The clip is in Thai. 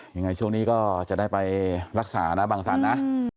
ยังไงช่วงนี้ก็จะได้ไปรักษานะบางสันนะ